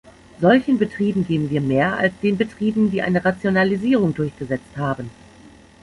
Solchen Betrieben geben wir mehr als den Betrieben, die eine Rationalisierung durchgesetzt haben.